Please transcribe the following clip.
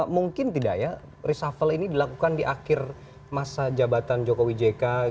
mungkin tidak ya reshuffle ini dilakukan di akhir masa jabatan jokowi jk